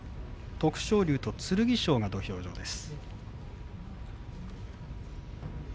徳勝龍と剣翔が土俵です。